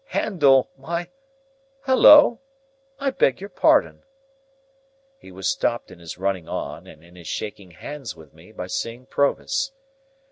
Handel, my—Halloa! I beg your pardon." He was stopped in his running on and in his shaking hands with me, by seeing Provis.